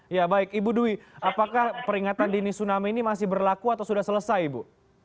ya baik ibu dwi apakah peringatan dini tsunami ini masih berlaku atau sudah selesai ibu